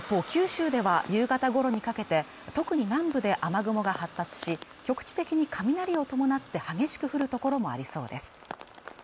九州では夕方ごろにかけて特に南部で雨雲が発達し局地的に雷を伴って激しく降る所もありそうです